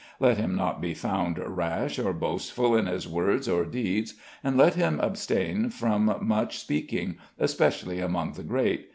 Let him not be found rash or boastful in his words or deeds. And let him abstein from much speaking, especially among the great.